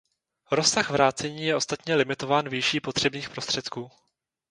Rozsah vrácení je ostatně limitován výší potřebných prostředků.